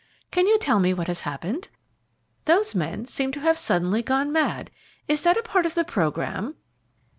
Can you tell me what has happened? Those men seem to have suddenly gone mad is that a part of the programme?"